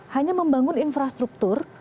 hanya membangun infrastruktur